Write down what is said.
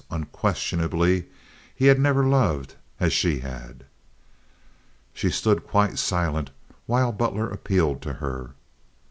Unquestionably he had never loved as she had. She stood quite silent while Butler appealed to her.